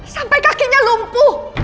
sampai kakinya lumpuh